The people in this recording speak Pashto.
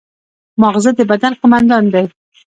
ماغزه د بدن قوماندان دی